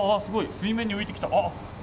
水面に浮いてきた！